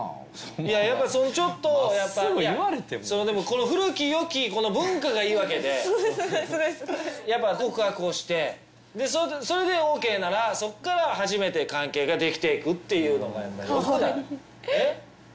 やっぱちょっとやっぱまっすぐ言われてもでもこの古きよきこの文化がいいわけでそれそれそれやっぱ告白をしてそれでＯＫならそっから初めて関係ができていくっていうのがやっぱりよくない？